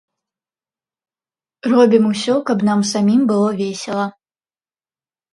Робім усё, каб нам самім было весела!